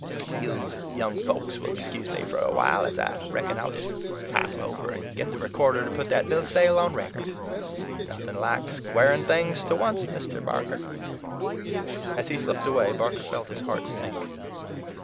you young folks will excuse me for a while, as I reckon I'll just toddle over and get the recorder to put that bill o' sale on record. Nothin' like squaring things to onct, Mr. Barker." As he slipped away, Barker felt his heart sink.